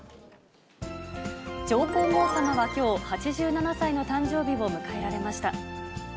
上皇后さまはきょう、８７歳の誕生日を迎えられました。